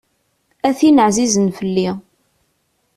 A tin εzizen fell-i.